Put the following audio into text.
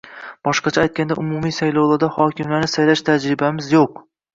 Boshqacha aytganda, umumiy saylovlarda hokimlarni saylash tajribamiz yo'q